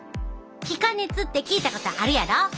気化熱って聞いたことあるやろ？